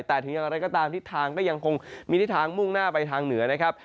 แต่ถึงอย่างไรก็ตามทิศทางก็ยังคงมีทิศทางมุ่งหน้าไปทางเหนือนะครับ